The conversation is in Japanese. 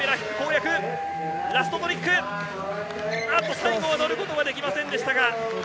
最後乗ることはできませんでした。